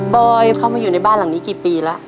อยเข้ามาอยู่ในบ้านหลังนี้กี่ปีแล้ว